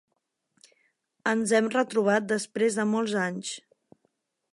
Ens hem retrobat després de molts anys.